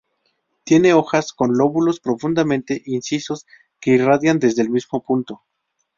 Tiene hojas con lóbulos profundamente incisos que irradian desde el mismo punto.